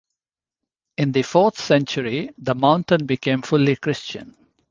In the fourth century the mountain became fully Christian.